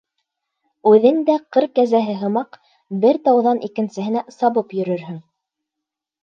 Үҙең дә, ҡыр кәзәһе һымаҡ, бер тауҙан икенсеһенә сабып йөрөрһөң.